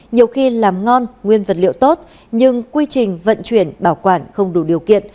nhiều khi làm ngon nguyên vật liệu tốt nhưng quy trình vận chuyển bảo quản không đủ điều kiện